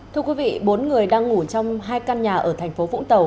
thưa quý vị bốn người đang ngủ trong hai căn nhà ở tp vũng tàu